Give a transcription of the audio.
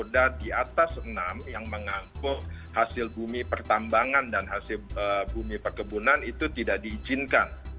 ada di atas enam yang mengangkut hasil bumi pertambangan dan hasil bumi perkebunan itu tidak diizinkan